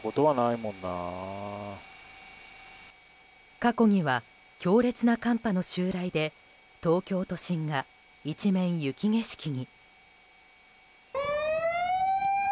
過去には強烈な寒波の襲来で東京都心が一面雪景色に。